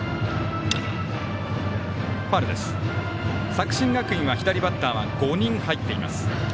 作新学院は、左バッターは５人、入っています。